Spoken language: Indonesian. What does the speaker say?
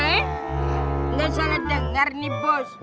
tidak salah dengar nih bos